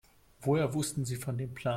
Woher wussten Sie von dem Plan?